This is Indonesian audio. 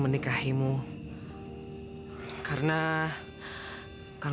tidak ada kira kira